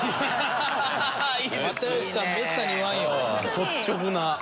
率直な。